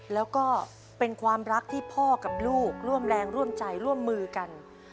แล้วก็เป็นความรักที่พ่อกับลูกร่วมแรงร่วมใจร่วมมือกัน